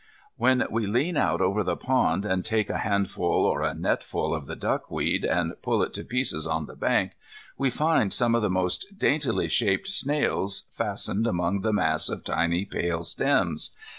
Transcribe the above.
When we lean out over the pond and take a handful or a netful of the duckweed, and pull it to pieces on the bank, we find some of the most daintily shaped snails fastened among the mass of tiny pale stems.